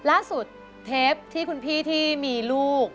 เทปที่คุณพี่ที่มีลูก